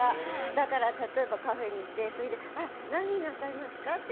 だから、例えばカフェに行って何になさいますかって。